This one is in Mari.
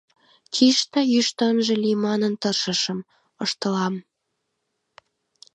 — Чияшда йӱштӧ ынже лий манын, тыршышым... — ышталам.